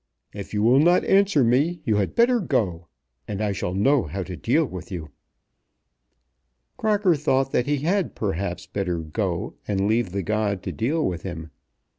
If you will not answer me you had better go, and I shall know how to deal with you." Crocker thought that he had perhaps better go and leave the god to deal with him.